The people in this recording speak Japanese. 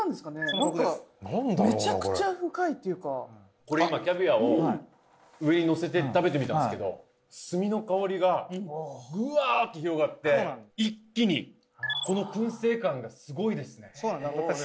何かめちゃくちゃ深いっていうかこれ今キャビアを上にのせて食べてみたんですけど炭の香りがうわっと広がって一気にこの薫製感がすごいですねそうなんです